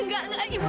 enggak enggak ibu